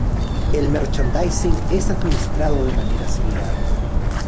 El merchandising es administrado de manera similar.